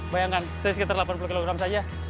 bayangkan saya sekitar delapan puluh kg saja